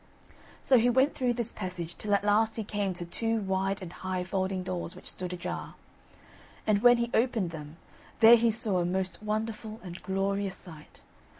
So he went through this passage till at last he came to two wide and high folding doors which stood ajar. And when he opened them, there he saw a most wonderful and glorious sight.